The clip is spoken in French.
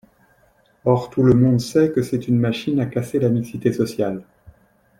Or tout le monde sait que c’est une machine à casser la mixité sociale.